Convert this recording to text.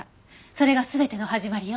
それが全ての始まりよ。